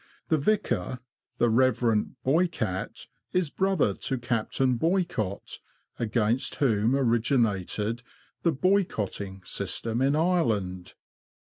The vicar, the Rev. — Boycatt, is brother to Captain Boycott, against whom originated the " boycotting " system in Ireland.